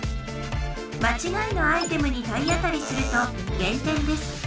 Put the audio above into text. まちがいのアイテムに体当たりするとげん点です。